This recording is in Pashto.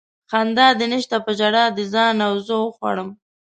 خندا دې نشته په ژړا دې ځان او زه وخوړم